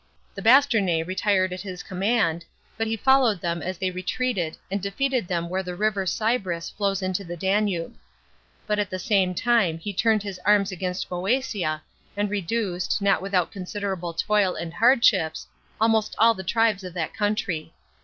The Bastarnaa retired at his command, but he followed them as they retreated and defeated them where the river Cibrus flows into the Danube. But at the same time he turned his arms against Mcesia, and reduced, not without considerable toil and hardships, almost all the tribes of that country.